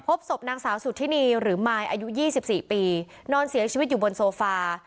พบศพนางสาวสุธินีหรือมายอายุ๒๔ปีนอนเสียชีวิตอยู่บนโซฟา